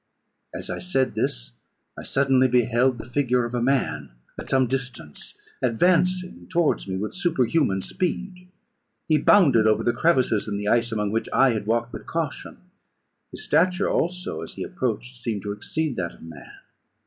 As I said this, I suddenly beheld the figure of a man, at some distance, advancing towards me with superhuman speed. He bounded over the crevices in the ice, among which I had walked with caution; his stature, also, as he approached, seemed to exceed that of man.